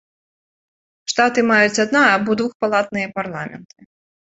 Штаты маюць адна- або двухпалатныя парламенты.